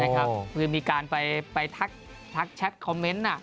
คือมีการไปทักชัตคอมเม้นต์น่ะ